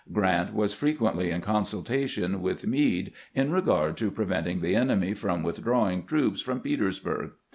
Grrant was frequently in consultation with Meade in regard to preventing the enemy from withdrawing troops from Petersburg.